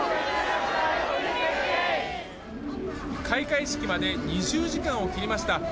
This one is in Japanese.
開会式まで２０時間を切りました。